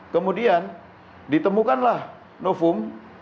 kemudian ditemukanlah nofum